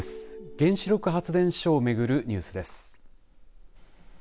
原子力発電所を巡るニュースです。